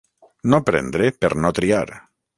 No prendre per no triar.